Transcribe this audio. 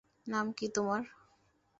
নাম কী তোমার?